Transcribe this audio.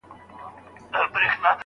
زما د بابا زما د نیکه د غیرت جګي شملې